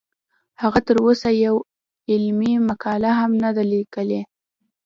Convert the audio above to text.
هغه تر اوسه یوه علمي مقاله هم نه ده لیکلې